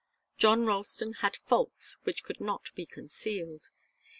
John Ralston had faults which could not be concealed.